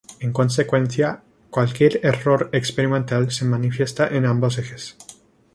En consecuencia, cualquier error experimental se manifiesta en ambos ejes.